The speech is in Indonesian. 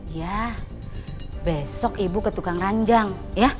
yah besok ibu ke tukang ranjang ya